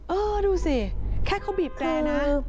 เออดูสิแค่เขาบีบแตรนะ